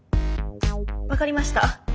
分かりました。